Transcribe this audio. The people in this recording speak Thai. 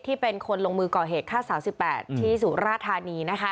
ที่เป็นคนลงมือก่อเหตุฆ่าสาว๑๘ที่สู่ราธานี